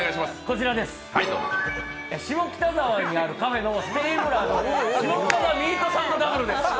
下北沢にあるカフェのＳＴＡＢＬＥＲさん、下北沢ミートサンドダブルです。